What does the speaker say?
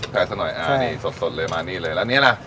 แผงสันหน่อยอ่ะนี่สดเลยมาอันนี้เลยแล้วแล้วนี้ล่ะ